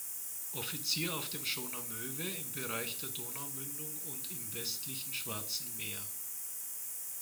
Offizier auf dem Schoner "Möwe" im Bereich der Donaumündung und im westlichen Schwarzen Meer.